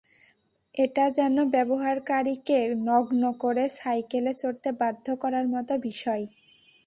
এটা যেন ব্যবহারকারীকে নগ্ন করে সাইকেলে চড়তে বাধ্য করার মতো বিষয়।